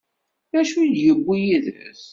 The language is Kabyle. D acu i d-yewwi yid-s?